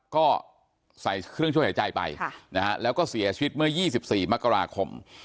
ก็ใส่เครื่องช่วยหายใจไปนะฮะแล้วก็เสียชีวิตเมื่อยี่สิบสี่มกราคม